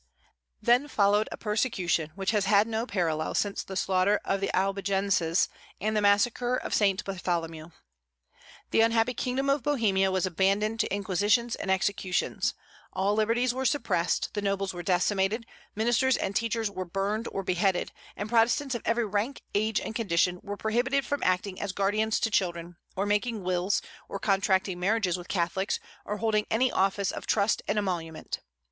Then followed a persecution which has had no parallel since the slaughter of the Albigenses and the massacre of St. Bartholomew. The unhappy kingdom of Bohemia was abandoned to inquisitions and executions; all liberties were suppressed, the nobles were decimated, ministers and teachers were burned or beheaded, and Protestants of every rank, age, and condition were prohibited from acting as guardians to children, or making wills, or contracting marriages with Catholics, or holding any office of trust and emolument.